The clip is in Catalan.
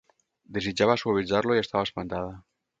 Desitjava suavitzar-lo i estava espantada.